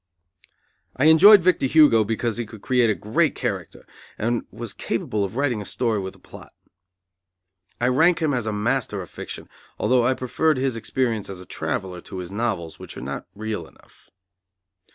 I enjoyed Victor Hugo because he could create a great character, and was capable of writing a story with a plot. I rank him as a master of fiction, although I preferred his experience as a traveller, to his novels, which are not real enough.